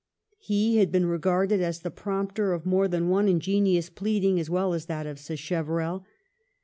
He had been regarded as the prompter of more than one ingenious pleading as well as that of Sacheverell.